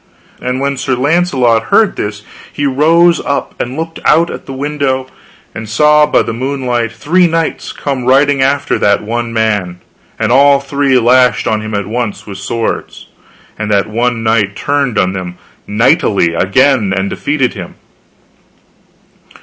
And when Sir Launcelot heard this he rose up, and looked out at the window, and saw by the moonlight three knights come riding after that one man, and all three lashed on him at once with swords, and that one knight turned on them knightly again and defended him.